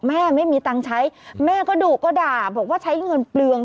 ไม่มีตังค์ใช้แม่ก็ดุก็ด่าบอกว่าใช้เงินเปลือง